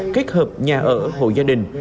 kết hợp nhà ở hộ gia đình